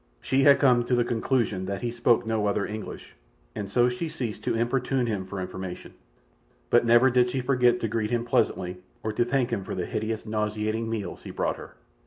She had come to the conclusion that he spoke no other English, and so she ceased to importune him for information; but never did she forget to greet him pleasantly or to thank him for the hideous, nauseating meals he brought her.